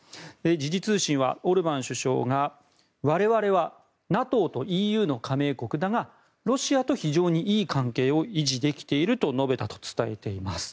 時事通信はオルバン首相が我々はＮＡＴＯとＥＵの加盟国だがロシアと非常にいい関係を維持できていると述べたと伝えています。